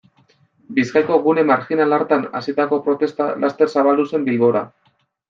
Bizkaiko gune marjinal hartan hasitako protesta laster zabaldu zen Bilbora.